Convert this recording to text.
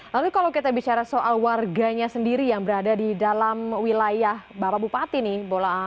lalu kalau kita bicara soal warganya sendiri yang berada di dalam wilayah bapak bupati nih